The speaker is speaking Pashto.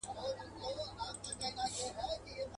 یوه د وصل شپه وي په قسمت را رسېدلې.